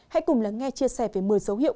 hãy cùng lắng nghe chia sẻ về một mươi dấu hiệu